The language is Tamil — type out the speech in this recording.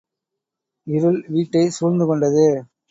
இருள் வீட்டை சூழ்ந்து கொண்டது.